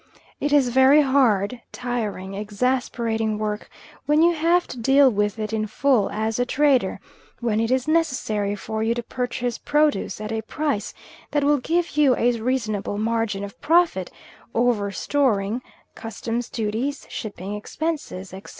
It is very hard, tiring, exasperating work when you have to deal with it in full, as a trader, when it is necessary for you to purchase produce at a price that will give you a reasonable margin of profit over storing, customs' duties, shipping expenses, etc.